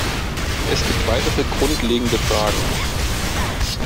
Es gibt weitere grundlegende Fragen.